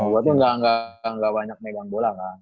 gue tuh gak banyak megang bola kak